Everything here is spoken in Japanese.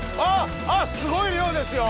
すごい量ですよ！